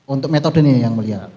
untuk metode ini yang melihat